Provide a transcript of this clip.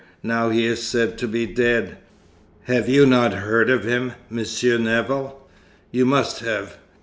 Now he is said to be dead. Have you not heard of him, Monsieur Nevill? You must have.